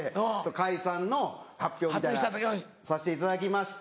解散の発表みたいなさしていただきまして。